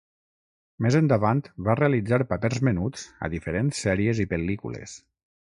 Més endavant va realitzar papers menuts a diferents sèries i pel·lícules.